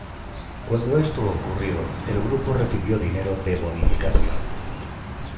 Cuando esto ocurrió, el grupo recibió dinero de bonificación.